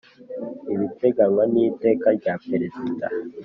ibiteganywa n iteka rya perezida